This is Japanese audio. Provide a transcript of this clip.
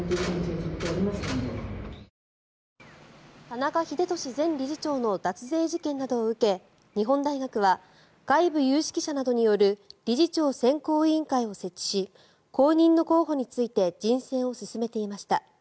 田中英寿前理事長の脱税事件などを受け日本大学は外部有識者などによる理事長選考委員会を設置し後任の候補について人選を進めていました。